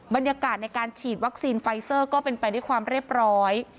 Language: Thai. บรรยากาศในการฉีดวัคซีนไฟเซอร์ก็เป็นไปด้วยความเรียบร้อย